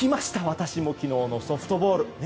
私も昨日のソフトボール。